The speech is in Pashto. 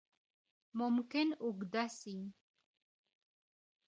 ممکن اوږده سي.